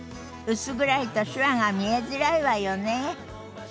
薄暗いと手話が見えづらいわよね。